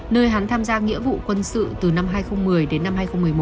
nơi hắn tham gia nghĩa vụ quân sự từ năm hai nghìn một mươi đến năm hai nghìn một mươi một